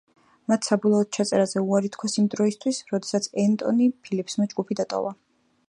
მათ საბოლოოდ ჩაწერაზე უარი თქვეს იმ დროისთვის, როდესაც ენტონი ფილიპსმა ჯგუფი დატოვა.